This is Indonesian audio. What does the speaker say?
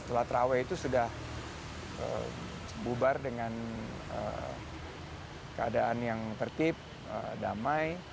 setelah terawih itu sudah bubar dengan keadaan yang tertib damai